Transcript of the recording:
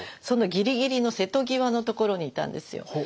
そのギリギリの瀬戸際のところにいたんですよ。